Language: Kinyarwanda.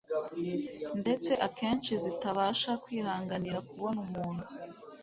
ndetse akenshi zitabasha kwihanganira kubona umuntu